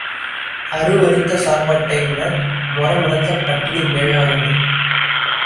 அருவருத்த சாப்பாட்டை விட மொரமொரத்த பட்டினி மேலானது.